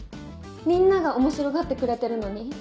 みんなが面白がってくれてるのに？